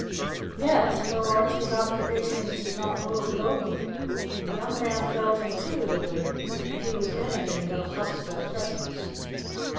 Yet, though Archie's occupations did not move Logie, the young man felt intuitively that he was anything but a hostile presence.